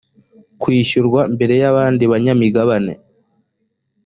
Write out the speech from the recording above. kwishyurwa mbere y abandi banyamigabane